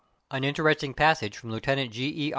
An interesting passage from Lieutenant G. E.